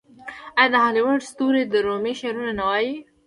آیا د هالیووډ ستوري د رومي شعرونه نه وايي؟